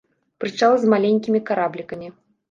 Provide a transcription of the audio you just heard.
Прычал з маленькімі караблікамі.